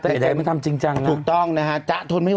ไหล่ไหล่มันทำจริงจังถูกต้องนะฮะจั๊กทนไม่ไหว